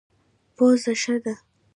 پوزه ښه ده.